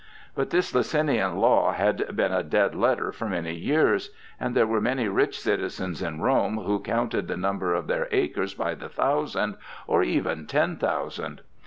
But this Licinian law had been a dead letter for many years, and there were many rich citizens in Rome who counted the number of their acres by the thousand or even ten thousand.